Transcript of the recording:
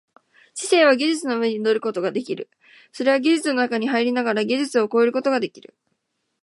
知性は技術の上に出ることができる、それは技術の中に入りながら技術を超えることができる。